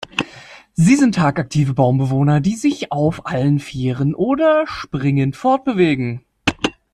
Sie sind tagaktive Baumbewohner, die sich auf allen Vieren oder springend fortbewegen.